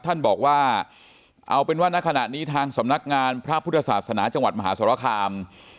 ท่านบอกว่าเอาเป็นว่าณขณะนี้ทางสำนักงานพระพุทธศาสนาจังหวัดมหาสรคาม